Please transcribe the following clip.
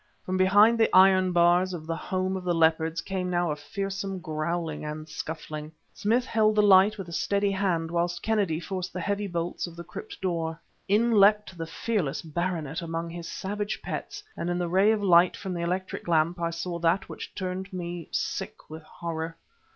From behind the iron bars of the home of the leopards came now a fearsome growling and scuffling. Smith held the light with a steady hand, whilst Kennedy forced the heavy bolts of the crypt door. In leapt the fearless baronet among his savage pets, and in the ray of light from the electric lamp I saw that which turned my sick with horror.